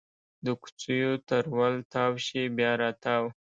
د کوڅېو تر ول تاو شي بیا راتاو